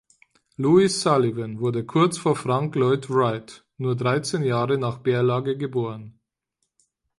Louis Sullivan wurde kurz vor, Frank Lloyd Wright nur dreizehn Jahre nach Berlage geboren.